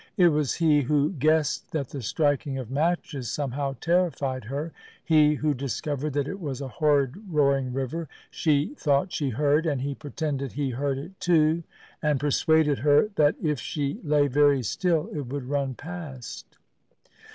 It was he who guessed that the striking of matches somehow terrified her; he who discovered that it was a horrid roaring river she thought she heard, and he pretended he heard it too, and persuaded her that if she lay very still it would run past.